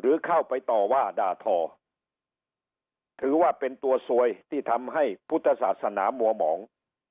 หรือเข้าไปต่อว่าด่าทอถือว่าเป็นตัวสวยที่ทำให้พุทธศาสนามัวหมอง